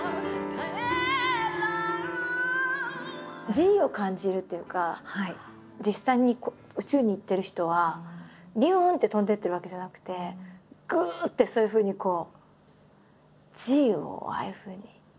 Ｇを感じるというか実際に宇宙に行ってる人はびゅんって飛んでいってるわけじゃなくてぐってそういうふうにこうＧをああいうふうに。